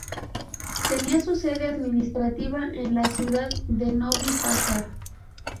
Tenía su sede administrativa en la ciudad de Novi Pazar.